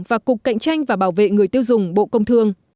và cục cạnh tranh và bảo vệ người tiêu dùng bộ công thương